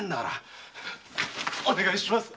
お願いします。